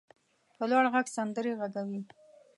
په لوړ غږ سندرې غږوي.